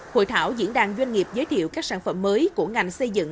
hội thảo diễn đàn doanh nghiệp giới thiệu các sản phẩm mới của ngành xây dựng